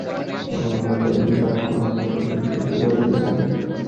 তখনই ঘটে যখন আমি প্রচুর, প্রচুর ভয় পেয়ে যাই।